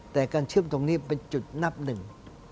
แต่การเชื่อมตรงนี้เป็นจุดนับหนึ่ง